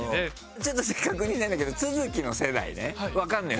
ちょっと確認なんだけど都築の世代ねわかるのよ